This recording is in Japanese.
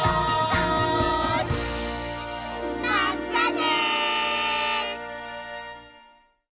まったね！